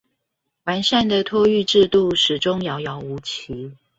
完善的托育制度始終遙遙無期